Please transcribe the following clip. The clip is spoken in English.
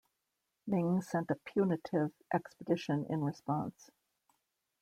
Ming sent a punitive expedition in response.